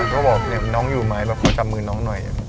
ก็บอกน้องอยู่ไหมแบบขอจับมือน้องหน่อย